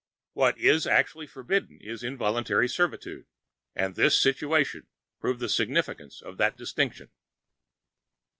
What is actually forbidden is "involuntary servitude" and this situation proved the significance of that distinction.